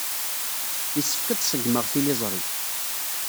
Yessefk ad d-ṣeggmeɣ tiliẓri.